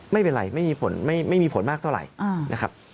ไม่เป็นไรไม่มีผลมากเท่าไรนะครับ